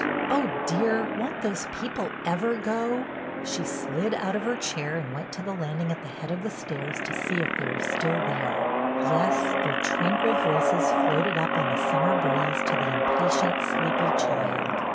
Oh, dear, won't those people ever go? " She slid out of her chair and went to the landing at the head of the stairs to see if they were still there. Yes, their tranquil voices floated up on the summer breeze to the impatient, sleepy child.